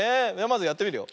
まずやってみるよ。